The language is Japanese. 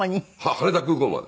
羽田空港まで。